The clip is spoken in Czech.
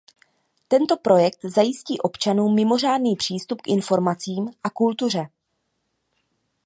Tento projekt zajistí občanům mimořádný přístup k informacím a kultuře.